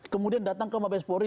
kemudian datang ke mabes polri